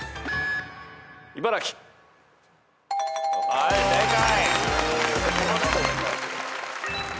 はい正解。